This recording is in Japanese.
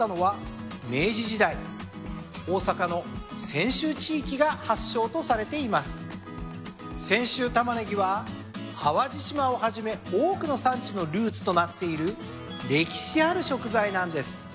泉州たまねぎは淡路島をはじめ多くの産地のルーツとなっている歴史ある食材なんです。